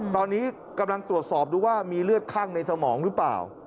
ตอนนี้กำลังตรวจสอบดูว่ามีเลือดคั่งในสมองหรือเปล่า